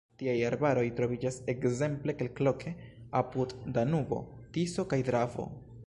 Tiaj arbaroj troviĝas ekzemple kelkloke apud Danubo, Tiso kaj Dravo.